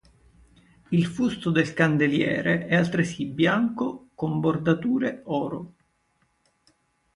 Il fusto del candeliere, è altresì bianco con bordature oro.